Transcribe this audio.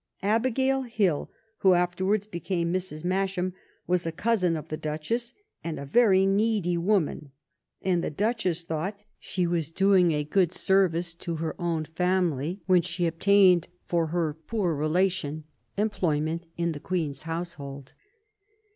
Abigail "Hill, 319 THE REIGN OP QUEEN ANNE who afterwards became Mrs. Masham, was a consin of the Duchess, and a very needy woman, and the Duchess thought she was doing a good service to her own family when she obtained for her poor relation employment in the Queen's household.